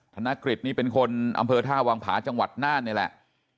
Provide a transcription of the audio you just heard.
ธนกฤษนี่เป็นคนอำเภอท่าวังผาจังหวัดน่านนี่แหละ